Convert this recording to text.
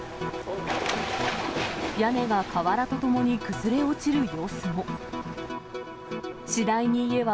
屋根が瓦とともに崩れ落ちる様子も。